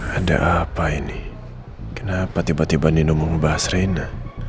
ada apa ini kenapa tiba tiba nino membahas renda